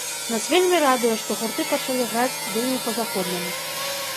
Нас вельмі радуе, што гурты пачалі граць вельмі па-заходняму.